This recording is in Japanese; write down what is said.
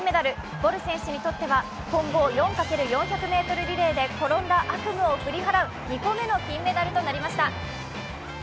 ボル選手にとっては混合４×４００ｍリレーで転んだ悪夢を振り払う２個目の金メダルとなりました。